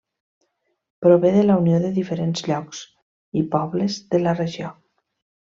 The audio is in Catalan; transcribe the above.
Prové de la unió de diferents llocs i pobles de la regió.